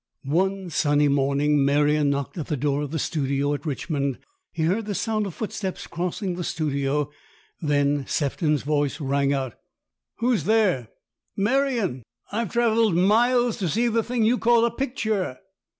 One sunny morning Merion knocked at the door of the studio at Richmond. He heard the sound of footsteps crossing the studio, then Sefton's voice rang out. " Who's there ?" "Merion. I've travelled miles to see the thing you call a picture."